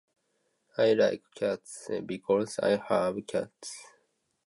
I like cats. Because I have cats.